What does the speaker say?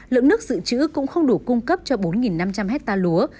lượng nước dự trữ cũng không đủ cung cấp cho bốn năm trăm linh hectare lúa